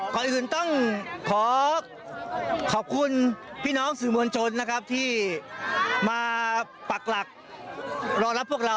ก่อนอื่นต้องขอขอบคุณพี่น้องสื่อมวลชนนะครับที่มาปักหลักรอรับพวกเรา